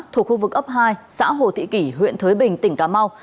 thuộc khu vực ấp hai xã hồ thị kỷ huyện thới bình tỉnh cà mau